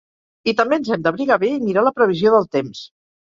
I també ens hem d'abrigar bé i mirar la previsió del temps!